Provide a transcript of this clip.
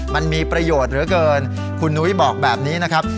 มันมีประโยชน์เหลือเกินคุณนุ้ยบอกแบบนี้นะครับ